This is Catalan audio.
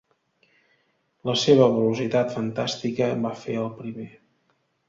La seva velocitat fantàstica va fer el primer.